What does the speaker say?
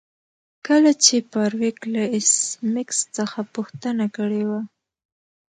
کله چې فارویک له ایس میکس څخه پوښتنه کړې وه